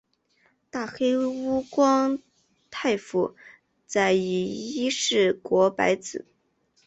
大黑屋光太夫在以伊势国白子。